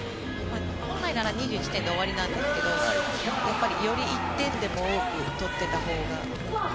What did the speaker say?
本来なら２１点で終わりなんですがやっぱり、より１点でも多く取っていたほうが。